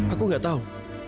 aku gak tahu